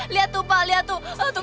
lihat pak lihat pak